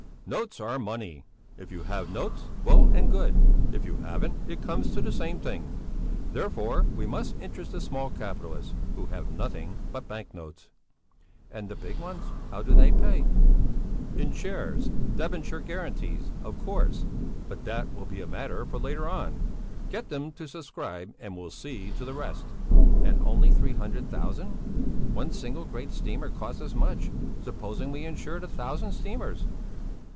Notes are money! If you have notes, well and good; if you haven't, it comes to the same thing. Therefore, we must interest the small capitalists, who have nothing but bank notes." "And the big ones? How do they pay?" "In shares, debenture guarantees, of course. But that will be a matter for later on. Get them to subscribe, and we'll see to the rest." "And only three hundred thousand? One single great steamer costs as much. Supposing we insured a thousand steamers?"